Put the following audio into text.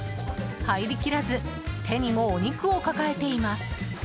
入りきらず手にも、お肉を抱えています。